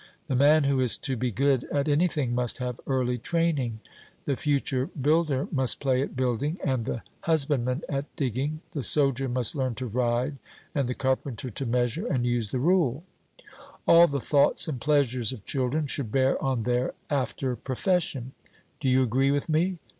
The man who is to be good at anything must have early training; the future builder must play at building, and the husbandman at digging; the soldier must learn to ride, and the carpenter to measure and use the rule, all the thoughts and pleasures of children should bear on their after profession. Do you agree with me?